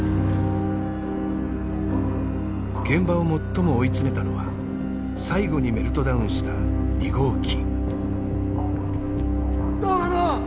現場を最も追い詰めたのは最後にメルトダウンした２号機。